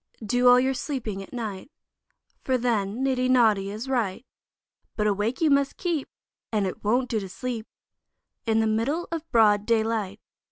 DO all your sleeping at night, For then niddy noddy is right; But awake you must keep, And it won't do to sleep, In the middle of broad daylight.